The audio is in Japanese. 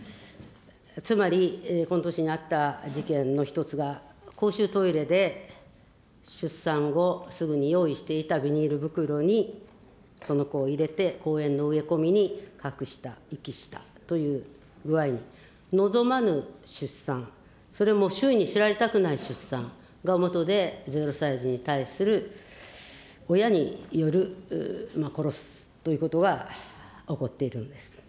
つまり、この年にあった事件の一つが、公衆トイレで出産後、すぐに用意していたビニール袋にその子を入れて、公園の植え込みに隠した、遺棄したという具合に、望まぬ出産、それも周囲に知られたくない出産がもとで、０歳児に対する親による殺すということは起こっているんです。